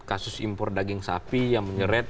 kasus impor daging sapi yang menyeret